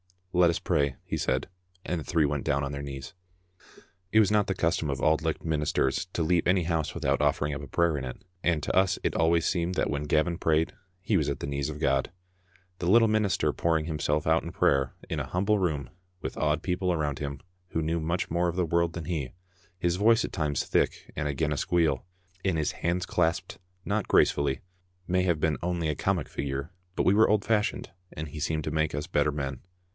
"Let us pray," he said, and the three went down on their knees. It was not the custom of Auld Licht ministers to leave any house without ofiEering up a prayer in it, and to us it always seemed that when Gavin prayed, he was at the knees of God. The little minister pouring him self out in prayer in a humble room, with awed people around him who knew much more of the world than he, his voice at times thick and again a squeal, and his hands clasped not gracefully, may have been only a comic figure, but we were old fashioned, and he seemed to make us better men.